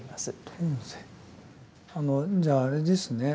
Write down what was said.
遁世じゃああれですね